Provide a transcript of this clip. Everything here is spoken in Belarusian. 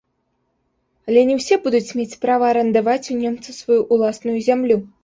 Але не ўсе будуць мець права арандаваць у немцаў сваю ўласную зямлю.